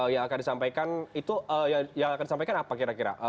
yang akan disampaikan itu yang akan disampaikan apa kira kira